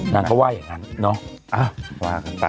นางก็ว่าอย่างงั้นเนาะอ่ะว่ากันต่อ